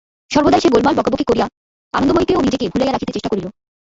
সর্বদাই সে গোলমাল বকাবকি করিয়া আনন্দময়ীকে ও নিজেক ভুলাইয়া রাখিতে চেষ্টা করিল।